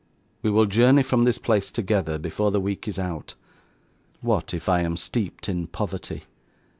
We will journey from this place together, before the week is out. What, if I am steeped in poverty?